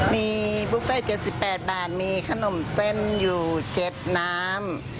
มีบุฟเฟ่๗๘บาทมีขนมเส้นอยู่๗น้ำ